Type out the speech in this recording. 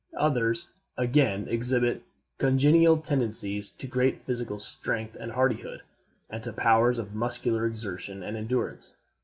Others, again, exhibit congenital tendencies to great physical strength and hardihood, and to powers of muscular exertion and endurance.